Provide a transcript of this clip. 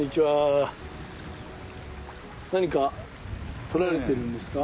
何かとられてるんですか？